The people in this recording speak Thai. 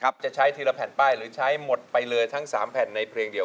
คุณจังหิวบ้านล่ะคะรู้ไหมคะว่าเพลงนี้เพลงอะไร